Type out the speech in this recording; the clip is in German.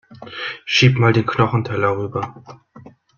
Schieb mal den Knochenteller rüber.